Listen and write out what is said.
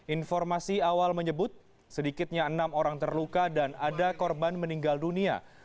informasi awal menyebut sedikitnya enam orang terluka dan ada korban meninggal dunia